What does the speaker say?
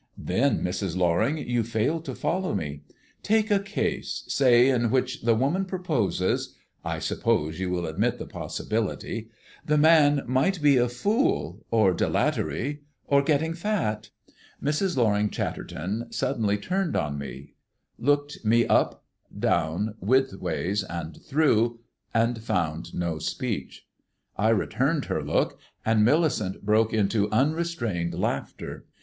"Then, Mrs. Loring, you fail to follow me. Take a case, say, in which the woman proposes I suppose you will admit the possibility the man might be a fool or dilatory or getting fat " Mrs. Loring Chatterton turned suddenly on me, looked me up, down, widthwise, and through, and found no speech. I returned her look, and Millicent broke into unrestrained laughter.